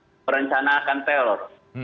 yang merencanakan teror